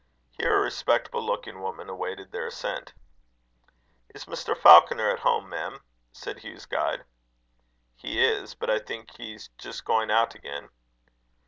Here a respectable looking woman awaited their ascent. "Is Mr. Falconer at hom', mem?" said Hugh's guide. "He is; but I think he's just going out again."